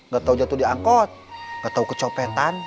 gak tau jatuh di angkot gak tau kecopetan